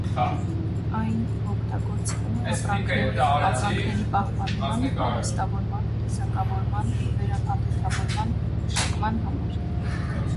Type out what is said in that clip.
Այն օգտագործվում է ապրանքների ապրանքների պահպանման, պահեստավորման, տեսակավորման, վերափաթեթավորման, մշակման համար։